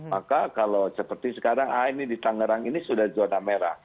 maka kalau seperti sekarang ini di tangerang ini sudah zona merah